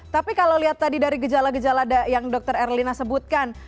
tapi kalau lihat tadi dari gejala gejala yang dokter erlina sebutkan